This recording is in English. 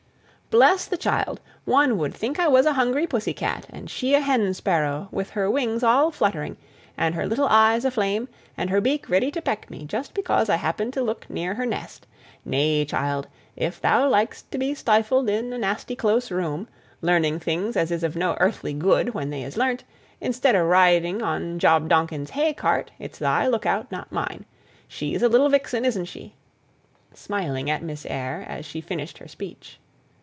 "Bless the child! one 'ud think I was a hungry pussy cat, and she a hen sparrow, with her wings all fluttering, and her little eyes aflame, and her beak ready to peck me just because I happened to look near her nest. Nay, child! if thou lik'st to be stifled in a nasty close room, learning things as is of no earthly good when they is learnt, instead o' riding on Job Donkin's hay cart, it's thy look out, not mine. She's a little vixen, isn't she?" smiling at Miss Eyre, as she finished her speech.